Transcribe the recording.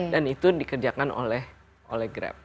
itu dikerjakan oleh grab